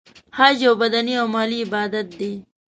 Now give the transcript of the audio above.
حج یو بدنې او مالی عبادت دی .